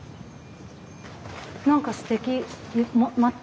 何かすてき。